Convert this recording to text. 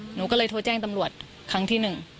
หนูก็เลยโทรแจ้งตำรวจครั้งที่๑